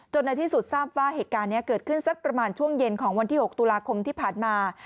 ในที่สุดทราบว่าเหตุการณ์นี้เกิดขึ้นสักประมาณช่วงเย็นของวันที่๖ตุลาคมที่ผ่านมา